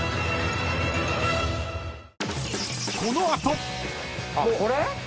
あっこれ？